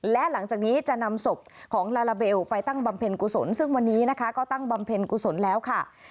และหลังจากนี้จะนำศพของลาลาเบลไปตั้งบำเพ็ญกุศลซึ่งวันนี้นะคะก็ตั้งบำเพ็ญกุศลแล้วค่ะ